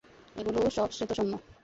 এগুলো সব শ্বেত-স্বর্ণ।